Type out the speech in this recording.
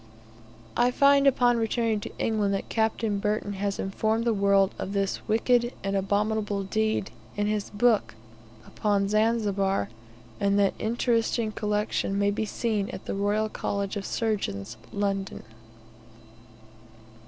I find upon returning to England, that Capt. Burton has informed the world of this "wicked and abominable deed," in his book upon Zanzibar, and that the interesting collection may be seen at the Royal College of Surgeons, London.